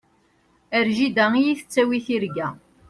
Ar jida i yi-tettawi tirga.